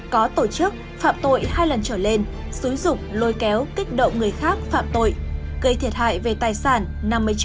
có tổ chức phạm tội hai lần trở lên xúi dụng lôi kéo kích động người khác phạm tội gây thiệt hại về tài sản năm mươi triệu đồng trở lên tái phạm nguy hiểm